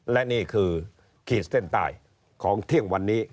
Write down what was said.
และนี่คือขีดเส้นใต้ของเที่ยงวันนี้